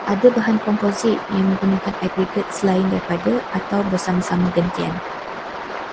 Ada bahan komposit yang menggunakan aggregrat selain daripada, atau bersama-sama gentian